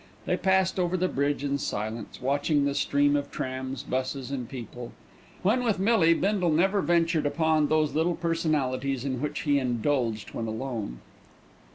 They passed over the bridge in silence, watching the stream of trams, buses, and people. When with Millie, Bindle never ventured upon those little personalities in which he indulged when alone.